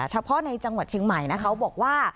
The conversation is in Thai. เฉพาะในจังหวัดเชียงใหม่นะคะเขาบอกว่า